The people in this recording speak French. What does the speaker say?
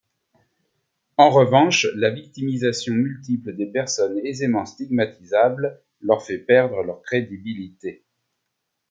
En revanche la victimisation multiple des personnes aisément stigmatisable leur fait perdre leur crédibilité.